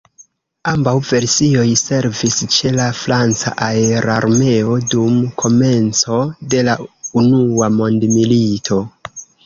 Ambaŭ versioj servis ĉe la franca aerarmeo dum komenco de la unua mondmilito.